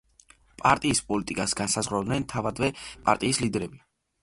პარტიის პოლიტიკას განსაზღვრავენ თავადვე პარტიის ლიდერები.